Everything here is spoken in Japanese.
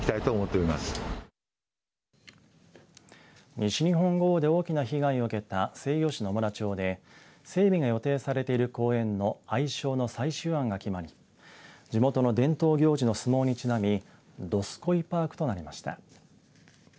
西日本豪雨で大きな被害を受けた西予市野村町で整備が予定されている公園の愛称の最終案が決まり地元の伝統行事の相撲にちなみどすこいパークとなりました。